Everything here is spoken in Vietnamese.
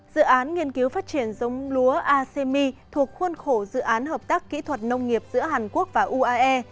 dự án nghiên cứu phát triển giống lúa asemi thuộc khuôn khổ dự án hợp tác kỹ thuật nông nghiệp giữa hàn quốc và uae